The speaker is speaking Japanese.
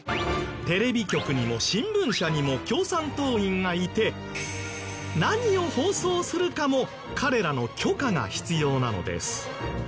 テレビ局にも新聞社にも共産党員がいて何を放送するかも彼らの許可が必要なのです。